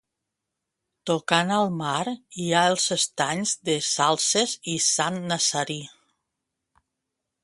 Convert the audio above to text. Tocant al mar hi ha els estanys de Salses i Sant Nazari.